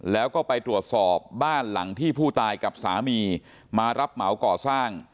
แล้วก็ไปตรวจสอบบ้านหลังที่ผู้ตายกับสามีมารับเหมาก่อสร้าง